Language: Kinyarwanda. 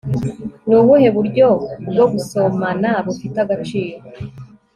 ni ubuhe buryo bwo gusomana bufite agaciro